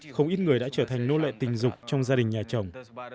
không ít người đã trở thành nô lệ tình dục trong gia đình nhà chồng